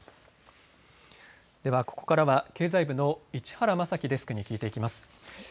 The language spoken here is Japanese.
ではここからは経済部の市原将樹デスクに聞いていきます。